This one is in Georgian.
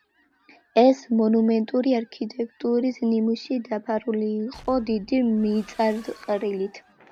ეს მონუმენტური არქიტექტურის ნიმუში, დაფარული იყო დიდი მიწაყრილით.